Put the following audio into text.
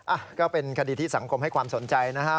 อ่ะก็เป็นคดีที่สังคมให้ความสนใจนะฮะ